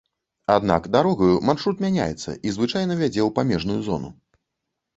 Аднак дарогаю маршрут мяняецца і звычайна вядзе ў памежную зону.